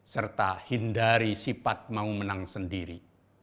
serta hindari sifat mau menang sendiri